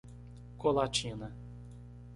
Colatina